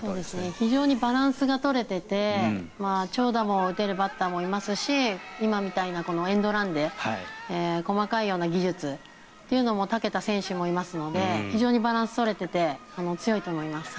非常にバランスが取れていて長打も打てるバッターもいますし今みたいなエンドランで細かいような技術というのもたけた選手もいますので非常にバランスが取れていて強いと思います。